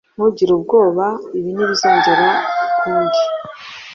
Ntugire ubwoba. Ibi ntibizongera ukundi.